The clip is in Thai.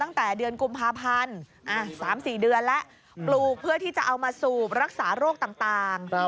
ตั้งแต่เดือนกุมภาพันธ์๓๔เดือนแล้วปลูกเพื่อที่จะเอามาสูบรักษาโรคต่าง